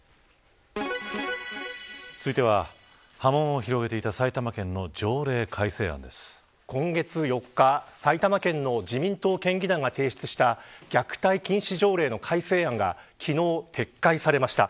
続いては波紋を広げていた今月４日埼玉県の自民党県議団が提出した虐待禁止条例の改正案が昨日撤回されました。